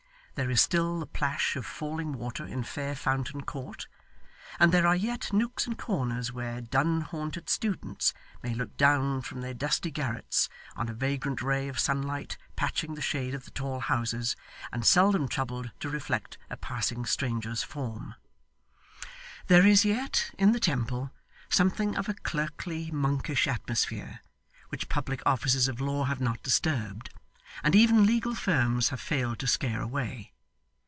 There is still the plash of falling water in fair Fountain Court, and there are yet nooks and corners where dun haunted students may look down from their dusty garrets, on a vagrant ray of sunlight patching the shade of the tall houses, and seldom troubled to reflect a passing stranger's form. There is yet, in the Temple, something of a clerkly monkish atmosphere, which public offices of law have not disturbed, and even legal firms have failed to scare away.